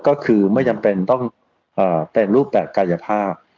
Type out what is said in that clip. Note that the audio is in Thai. ก็คือไม่จำเป็นต้องเป็นรูปแบบกายภาพ